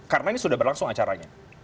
karena ini sudah berlangsung acaranya